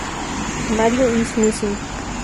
Mario is Missing!